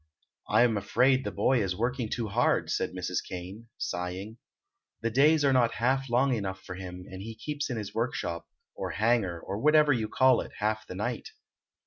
"I'm afraid the boy is working too hard," said Mrs. Kane, sighing. "The days are not half long enough for him, and he keeps in his workshop, or hangar, or whatever you call it, half the night."